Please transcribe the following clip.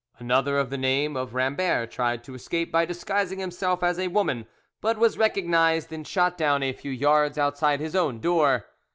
Another of the name of Rambert tried to escape by disguising himself as a woman, but was recognised and shot down a few yards outside his own door.